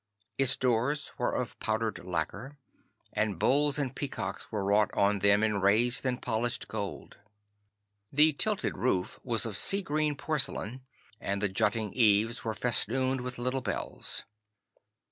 Its doors were of powdered lacquer, and bulls and peacocks were wrought on them in raised and polished gold. The tilted roof was of sea green porcelain, and the jutting eaves were festooned with little bells.